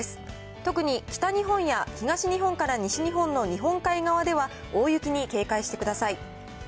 特に北日本や東日本から西日本の日本海側では、大雪に警戒してください。